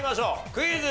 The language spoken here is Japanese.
クイズ。